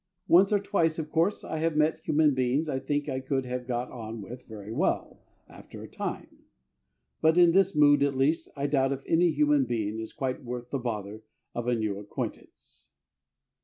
Once or twice, of course, I have met human beings I think I could have got on with very well, after a time; but in this mood, at least, I doubt if any human being is quite worth the bother of a new acquaintance.